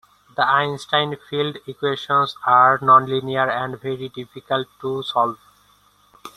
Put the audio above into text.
The Einstein field equations are nonlinear and very difficult to solve.